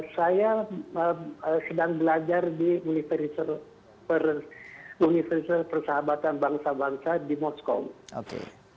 saya sedang belajar di universitas persahabatan bangsa bangsa di moskow